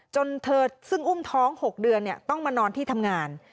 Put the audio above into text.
จนเธอซึ่งอุ้มท้อง๖เดือนต้องมานอนที่ทำงาน